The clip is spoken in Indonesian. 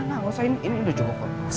gak gak usah ini udah cukup loh